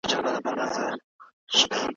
آیا کلتوري جامې تر عصري جامو ښکلي دي؟